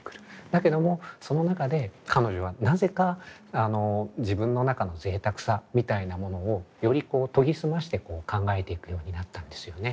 だけどもその中で彼女はなぜか自分の中の贅沢さみたいなものをよりこう研ぎ澄まして考えていくようになったんですよね。